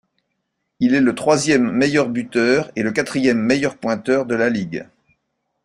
Il est le troisième meilleur buteur et le quatrième meilleur pointeur de la ligue.